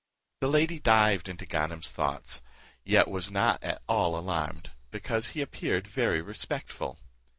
The lady dived into Ganem's thoughts, yet was not at all alarmed, because he appeared very respectful.